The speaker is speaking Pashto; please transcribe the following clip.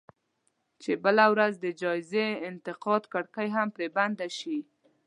چې بله ورځ د جايز انتقاد کړکۍ هم پرې بنده شي.